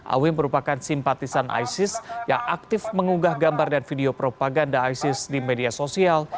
awin merupakan simpatisan isis yang aktif mengunggah gambar dan video propaganda isis di media sosial